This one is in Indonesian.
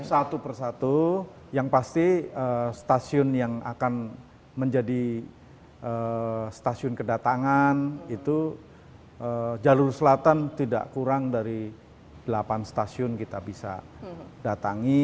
satu persatu yang pasti stasiun yang akan menjadi stasiun kedatangan itu jalur selatan tidak kurang dari delapan stasiun kita bisa datangi